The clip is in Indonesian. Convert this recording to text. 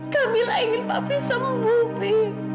kamilah ingin papi samamu pi